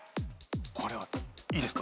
これはいいですか？